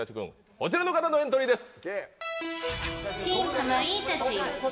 こちらの方のエントリーです。